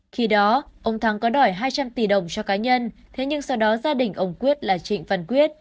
khi đó ông thắng có đòi hai trăm linh tỷ đồng cho cá nhân thế nhưng sau đó gia đình ông quyết là trịnh văn quyết